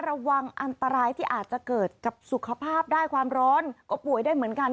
ระวังอันตรายที่อาจจะเกิดกับสุขภาพได้ความร้อนก็ป่วยได้เหมือนกัน